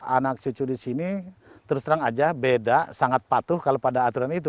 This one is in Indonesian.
anak cucu di sini terus terang aja beda sangat patuh kalau pada aturan itu